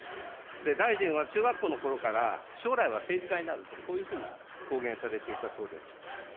大臣は中学校のころから、将来は政治家になると、こういうふうに公言されていたそうです。